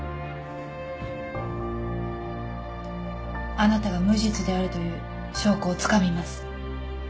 あなたが無実であるという証拠をつかみます。